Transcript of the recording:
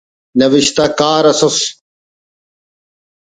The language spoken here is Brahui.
نوشتہ کار اس ئس